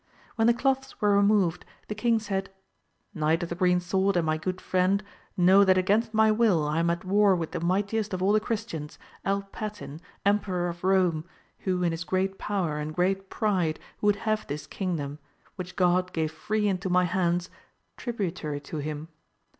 When the cloths were removed the king said. Knight of the Oreen Sword and my good friend, know that against my will I am at war with the mightiest of all the Christians, £1 Patin, Emperor of Rome, who in his great power and great pride would have this kingdom, which God gave free into my hands, tributary to him.